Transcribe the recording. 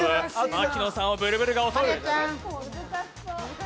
牧野さんをブルブルが襲う。